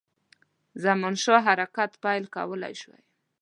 زمانشاه حرکت پیل کولای شوای.